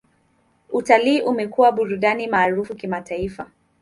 Utalii umekuwa burudani maarufu kimataifa.